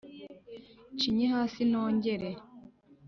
ncinye hasi nongere